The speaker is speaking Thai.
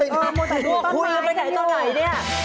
คุยกันไปไหนต่อไหนเนี่ย